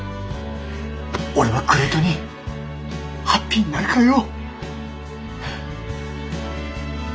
俺はグレイトにハッピーになるからよ！